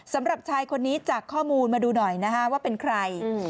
สำหรับชายคนนี้จากข้อมูลมาดูหน่อยนะฮะว่าเป็นใคร